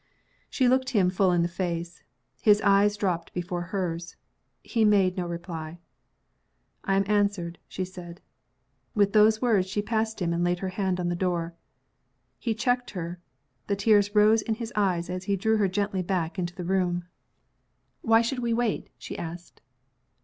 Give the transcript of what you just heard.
She looked him full in the face. His eyes dropped before hers he made no reply. "I am answered," she said. With those words, she passed him, and laid her hand on the door. He checked her. The tears rose in his eyes as he drew her gently back into the room. "Why should we wait?" she asked.